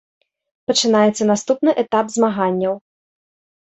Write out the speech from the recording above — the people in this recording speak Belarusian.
Пачынаецца наступны этап змаганняў.